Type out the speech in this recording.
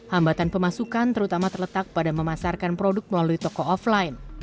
hambatan pemasukan terutama terletak pada memasarkan produk melalui toko offline